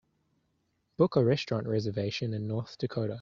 Book a restaurant reservation in North Dakota